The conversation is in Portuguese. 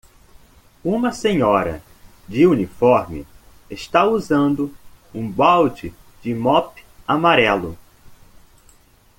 Uma senhora de uniforme está usando um balde de mop amarelo.